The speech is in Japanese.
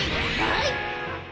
はい！